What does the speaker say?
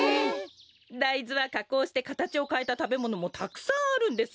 だいずはかこうしてかたちをかえたたべものもたくさんあるんです。